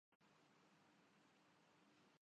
دوسروں کی ضروریات کا اندازہ لگا لیتا ہوں